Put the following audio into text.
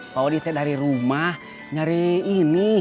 pak auditnya dari rumah nyari ini